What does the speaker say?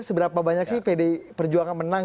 seberapa banyak sih pdi perjuangan menang